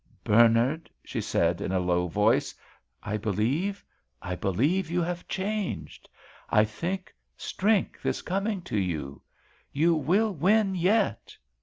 "Bernard," she said, in a low voice, "I believe—I believe you have changed! I think strength is coming to you—you will win yet!"